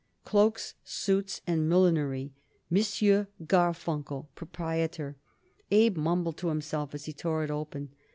Cloaks, Suits and Millinery. M. Garfunkel, Prop." Abe mumbled to himself as he tore it open.